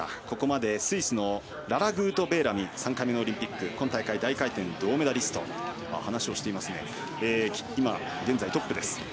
ここまでスイスのララ・グートベーラミ３回目のオリンピック今大会、大回転で銅メダリストが現在トップです。